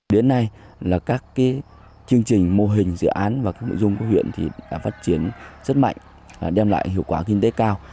đến nay là các chương trình mô hình dự án và nội dung của huyện đã phát triển rất mạnh đem lại hiệu quả kinh tế cao